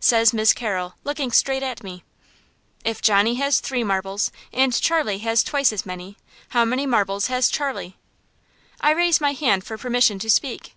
Says Miss Carrol, looking straight at me: "If Johnnie has three marbles, and Charlie has twice as many, how many marbles has Charlie?" I raise my hand for permission to speak.